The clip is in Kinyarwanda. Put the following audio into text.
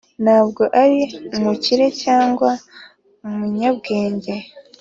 ntabwo ari umukire cyangwa umunyabwenge,